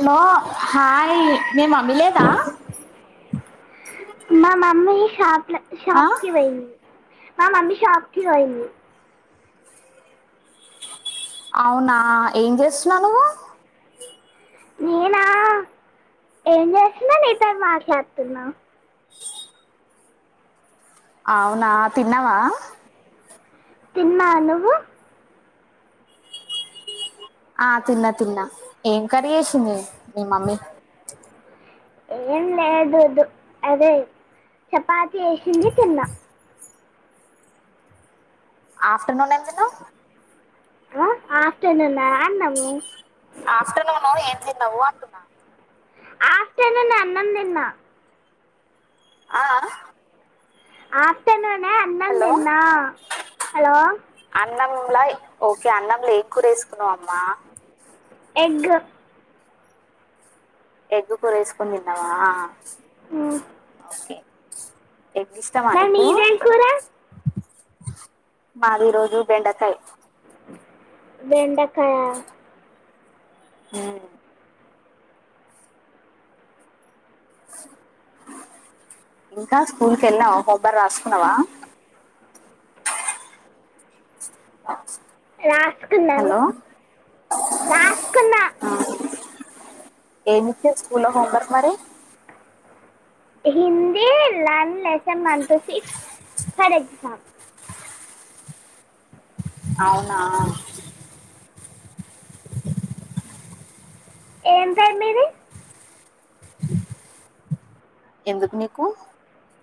Hello hi మీ mummy లేదా మా మమ్మీ షాప్ లో ఆ షాప్ కి పొయింది ఆ మమ్మీ షాప్ కీ పోయింది అవునా ఏం చేస్తున్నావ్ నువ్వు నేనా ఏం చేస్తున్న నీతో మాట్లాడుతున్నా అవునా తిన్నావా తిన్నా నువ్వు ఆ తిన్నా తిన్నా ఏం కర్రీ చేసింది మీీ మమ్మీ ఏం లేదు వద్దు అదే చపాతి చేసింది తిన్నా ఆఫ్టర్నూన్ ఏం తిన్నవ్ ఆఫటర్నూన్నా ఆఫ్టర్నూన్ ఏం తిన్నావు అంటున్న ఆఫ్టర్నూన్ అన్నం తిన్న ఆ ఆ ఆఫ్టర్నూన్ అన్నం హలో తిన్న హలో అన్నంలా ఓకే అన్నంలా ఏం కూర వేసుకున్నావ్ అమ్మ ఎగ్గు ఎగ్గు కూర వేసుకొని తిన్నావా ఉమ్ ఎగ్ ఇష్టమా మరి నీకు నీదేం కూర మాది ఈ రోజు బెండకాయ బెండకాయ ఉమ్ ఇంకా స్కూల్ కి వెళ్లినావా హోంవర్క్ రాసుకున్నావా ఆ రాసుకున్నాను రాసుకున్న ఏమిచ్చిర్రు స్కూల్లో హోంవర్క్ మరి హిందీ లన్ లెసన్ వన్ టూ సిక్స్ అవునా ఏం పేరు మీది ఎందుకు నీకు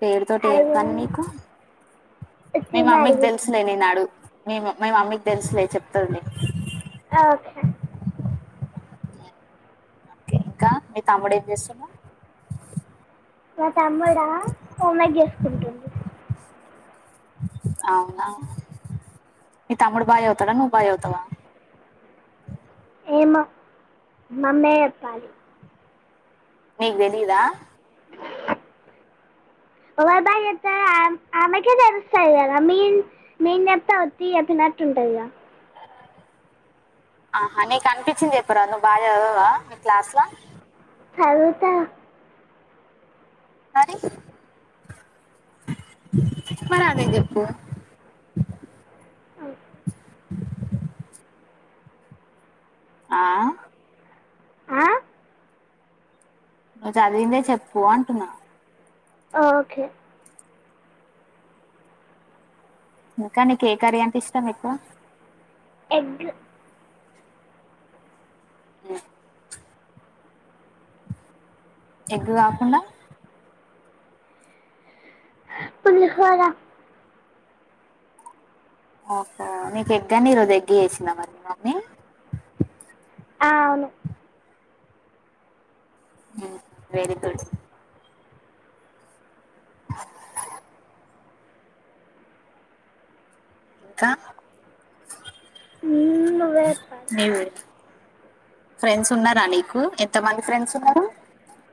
పేరుతోటి ఏమి అడిగిన పని నీకు మేము వచ్చింది మమ్మీకి అడిగిన తెలుసులే నినాడు మేము మీ మమ్మీకి తెలుసులే చెప్తదిలే ఓకే ఓకే ఇంకా మీ తమ్ముడు ఏం చేస్తున్నా మా తమ్ముడా హోవర్క్ చేసుకుంటుండు అవునా మీ తమ్ముడు బాగా చదువుతాడా నువ్వు బాగా చదువుతావా ఏమో మమ్మే చెప్పాలి నీకు తెలీదా ఎవరు బాగా చదువుతారో ఆమెకే తెలుస్తది కదా మేం మేం చెప్తే ఉట్టిగా చెప్పినట్టు ఉంటదిగా [unintelligible] ఆహా నీకు అనిపించింది చెప్పురా నువ్వు బాగా చదవవా మీ క్లాస్ల చదువుతా మరి మరే అదె చెప్పు ఆ ఆ ఆ నువ్వు చదివిందే చెప్పు అంటున్నా ఓకే ఇంకా నీకు ఏ కర్రీ అంటే ఇష్టం ఎక్కువ ఎగ్గు ఉ ఎగ్గు కాకుండా పులిహోర ఓహో నీకు ఎగ్గని ఈరోజు ఎగ్గు చేసిందా మరి మీ మమ్మీ ఆ అవును ఆ వెరీ గుడ్ ఇంకా మ్మ్, నువ్వే చెప్పాలి ఫ్రెండ్స్ ఉన్నరా నీకు ఎంత మంది ఫ్రెండ్స్ ఉన్నరు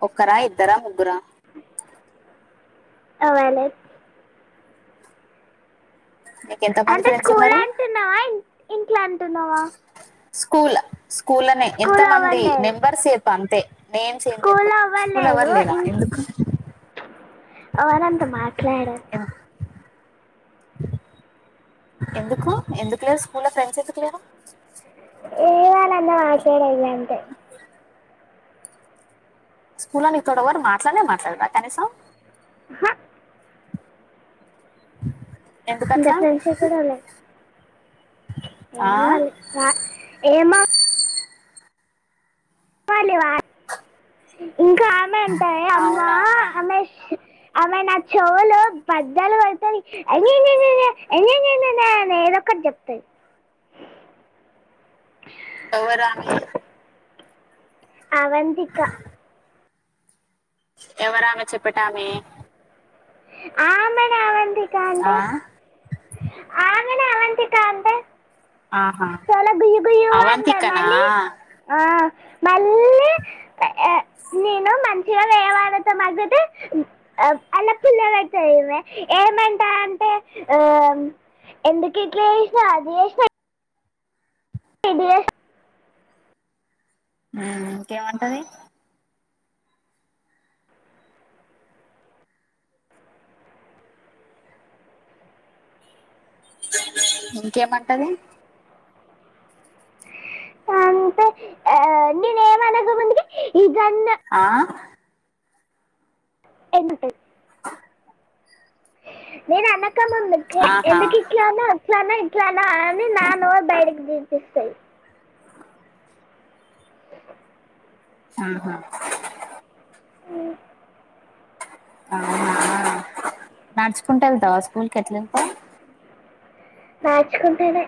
ఒక్కరా, ఇద్దరా, ముగ్గురా ఎవర్ లేర్ నీకు ఎంత మంది ఫ్రెండ్స్ ఉన్నరు అంటున్నవా స్కూల్ స్కూల్లనే ఎంత మంది అవ్వలేదు నెంబర్ చెప్పు అంతే నేమ్స్ ఏం స్కూల్ చెప్పకు స్కూల్ల అవ్వలేదు ఎవరు లేరా ఎందు ఎవరు అంత మాట్లాడర్ ఎం- ఎందుకు ఎందుకులేరు స్కూల్ ఫ్రెండ్స్ ఎందుకు లేరు వాళ్లందరు మాట్లాడరు గంతే స్కూల్లో నీ తోటి ఏవరు మాట్లాడనే మాట్లాడరా కనీసం హ, ఇడ ఎందుకట్లా అట్లాంటి శేకలే ఉన్నయి ఆ? ఏమ్ కాలే ఆ ఏం బావుం ఇస్తర్లు ఇయివ ఇంకా ఆమె ఉంటాయి అమ్మ అవునా అమేష్ ఆమె నా చెవులు బద్దలు కొడతది అయ్యయో [unintelligible] ఏదో ఒకటి అద్ చెప్తది ఎవరు ఆమె అవంతిక ఎవరామె చెప్పటామె ఆమెనె అవం ఆ ఆమెనె అవంతిక అంటే ఆహా చాలా గుయు గుయు అంటది అవంతికనా మళ్ళీ ఆ మళ్ళీ ఆ నేను మంచిగా వేరెవాళ్ళతో మాట్లడితే అల్ల పుల్ల పెడతది ఈమె ఎప్పు [unintelligible] అంటే ఎందుకు ఇట్ల చేసినవ్ అది చేసినవ్ ఇది చెస్నవ్ అవునా ఇంకేమంటది ఇంకేమంటది అంతే ఆ నేను ఏమనక ముందుకె ఇగ ఆ ఎటే నేను అనకముందుకె ఆహా ఎందుకు ఇట్ల అన్నవ్ అట్ల అన్నవ్ ఇట్ల అని నా నోరు బయటికి తిపిస్తది. ఆహా అ అవునా నడుచుకుంట ఎళ్తావా స్కూల్ కి ఎట్ల ఏళ్తవ్ నడుచుకుంటనే